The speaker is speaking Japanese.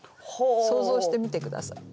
想像してみて下さい。